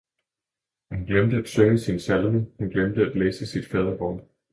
og hun glemte at synge sin salme, hun glemte at læse sit Fadervor.